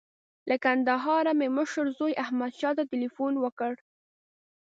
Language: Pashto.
له کندهاره مې مشر زوی احمدشاه ته تیلفون وکړ.